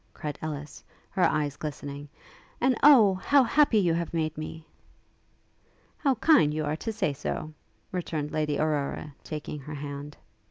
cried Ellis, her eyes glistening: 'and Oh! how happy you have made me!' 'How kind you are to say so!' returned Lady Aurora, taking her hand.